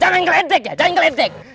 jangan ngeletek ya jangan ngeletek